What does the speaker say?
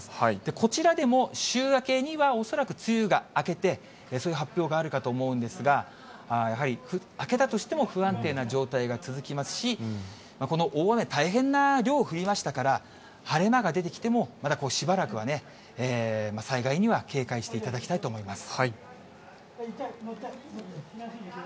こちらでも、週明けには恐らく梅雨が明けて、そういう発表があるかと思うんですが、やはり明けたとしても不安定な状態が続きますし、この大雨、大変な量降りましたから、晴れ間が出てきても、まだしばらくはね、災害には警戒していただきたいと思います。